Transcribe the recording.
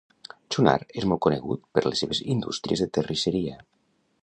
Chunar és molt conegut per les seves indústries de terrisseria.